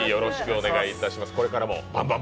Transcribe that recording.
お願いします。